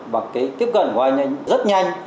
bằng cái tiếp cận của anh anh rất nhanh